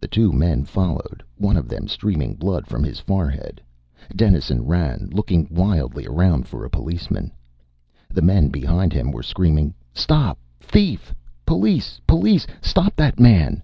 The two men followed, one of them streaming blood from his forehead. Dennison ran, looking wildly around for a policeman. The men behind him were screaming, "Stop, thief! Police! Police! Stop that man!"